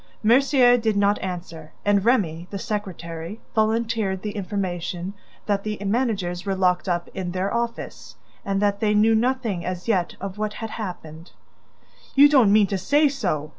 Mercier did not answer, and Remy, the secretary, volunteered the information that the managers were locked up in their office and that they knew nothing as yet of what had happened. "You don't mean to say so!